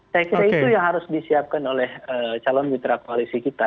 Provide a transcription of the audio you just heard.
saya kira itu yang harus disiapkan oleh calon mitra koalisi kita